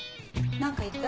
何か言った？